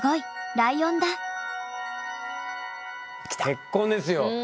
結婚ですよ。